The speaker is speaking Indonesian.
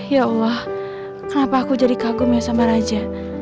ya allah kenapa aku jadi kagum ya samaraja